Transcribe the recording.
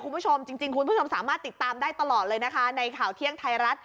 คุณผู้ชมจริงคุณผู้ชมสามารถติดตามได้ตลอดเลยนะคะในข่าวเที่ยงไทยรัฐ